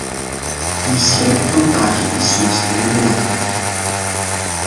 Die scheiding van de taken is juist heel belangrijk.